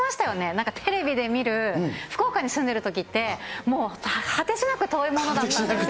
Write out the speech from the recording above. なんかテレビで見る、福岡に住んでるときって、もう果てしなく遠いものだったんですよ。